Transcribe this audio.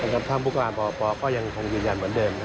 กับท่นภูกราณปก็ยังคงยืนยันเหมือนเดิม